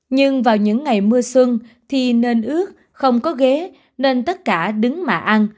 nhưng vào những ngày mưa xuân thì nên ước không có ghế nên tất cả đứng mà ăn